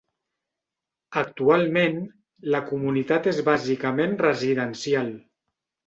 Actualment, la comunitat és bàsicament residencial.